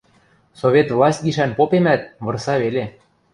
Совет власть гишӓн попемӓт, вырса веле.